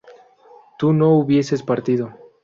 tú no hubieses partido